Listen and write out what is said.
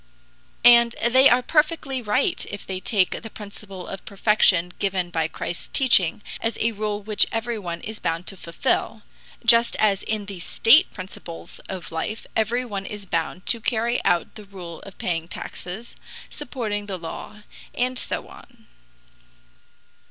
And they are perfectly right if they take the principle of perfection given by Christ's teaching as a rule which everyone is bound to fulfill, just as in the state principles of life everyone is bound to carry out the rule of paying taxes, supporting the law, and so on.